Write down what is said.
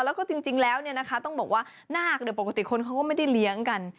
แล้วก็จริงแล้วต้องบอกว่านาคปกติคนเขาก็ไม่ได้เลี้ยงกัน